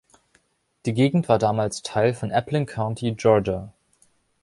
Die Gegend war damals Teil von Appling County, Georgia.